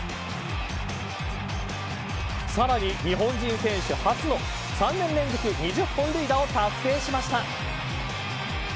さらに、日本人選手初の３年連続２０本塁打を達成しました。